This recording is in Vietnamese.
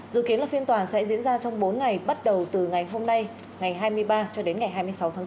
dự kiến là phiên tòa sẽ diễn ra trong bốn ngày bắt đầu từ ngày hôm nay ngày hai mươi ba cho đến ngày hai mươi sáu tháng bốn